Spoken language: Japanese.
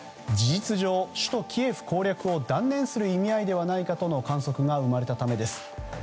事実上、首都キエフ攻略を断念する意味合いではないかとの観測が生まれたためです。